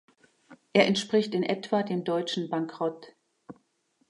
Er entspricht in etwa dem deutschen Bankrott.